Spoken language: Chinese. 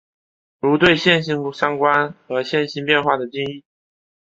如对线性相关和线性变换的定义。